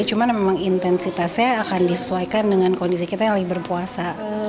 cuman memang intensitasnya akan disesuaikan dengan kondisi kita yang lagi berpuasa